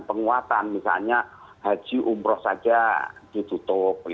penguatan misalnya haji umroh saja ditutup